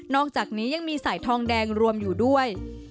อกจากนี้ยังมีสายทองแดงรวมอยู่ด้วย